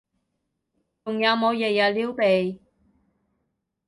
仲有冇日日撩鼻？